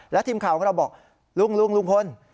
แล้วทีมข่าวของเราบอกลุงลุงพล